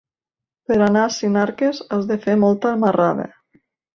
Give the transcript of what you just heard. Per anar a Sinarques has de fer molta marrada.